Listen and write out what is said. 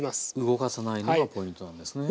動かさないのがポイントなんですね。